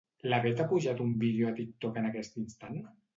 La Beth ha pujat un vídeo a TikTok en aquest instant?